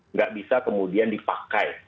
nggak bisa kemudian dipakai